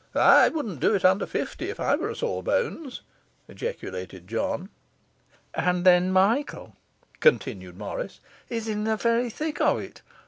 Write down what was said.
'I wouldn't do it under fifty if I were a sawbones,' ejaculated John. 'And then Michael,' continued Morris, 'is in the very thick of it.